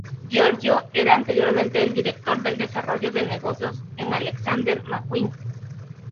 Giorgio era anteriormente el director del desarrollo de negocios en Alexander McQueen.